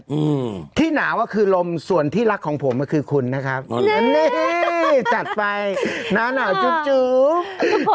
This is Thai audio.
อืมที่หนาวก็คือลมส่วนที่รักของผมก็คือคุณนะครับนี่จัดไปหนาวจู๊จู๊